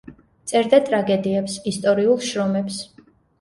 წერდა ტრაგედიებს, ისტორიულ შრომებს.